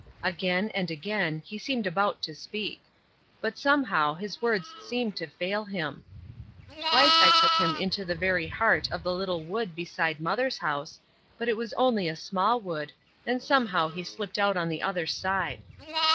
Again and again, he seemed about to speak. But somehow his words seemed to fail him. Twice I took him into the very heart of the little wood beside Mother's house, but it was only a small wood, and somehow he slipped out on the other side.